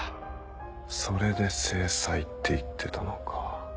それで「制裁」って言ってたのか。